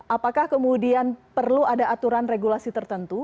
apakah kemudian perlu ada aturan regulasi tertentu